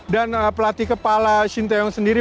dan pelatih kepala shin taeyong sendiri